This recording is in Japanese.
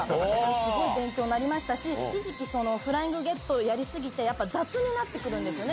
すごい勉強になりましたし、一時期、フライングゲットをやり過ぎて、やっぱ雑になってくるんですよね。